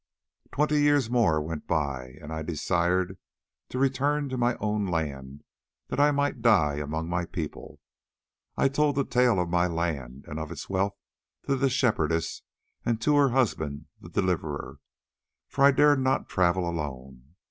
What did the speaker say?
"Twenty years more went by, and I desired to return to my own land that I might die among my people. I told the tale of my land and of its wealth to the Shepherdess and to her husband the Deliverer, for I dared not travel alone.